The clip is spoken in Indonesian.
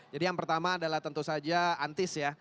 jadi yang pertama adalah tentu saja antis ya